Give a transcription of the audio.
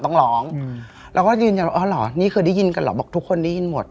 ยังอยู่ในห้อง